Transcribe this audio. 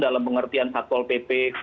dalam pengertian faktor pp